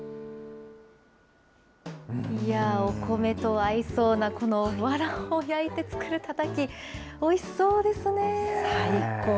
いやー、お米と合いそうなこのわらを焼いて作るたたき、おいしそうですね。